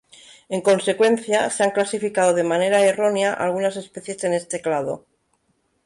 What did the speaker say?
En consecuencia, se han clasificado de manera errónea algunas especies en este clado.